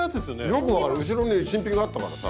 よく分かる後ろに新品があったからさ。